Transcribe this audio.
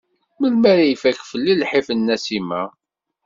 Melmi ara ifakk fell-i lḥif n Nasima?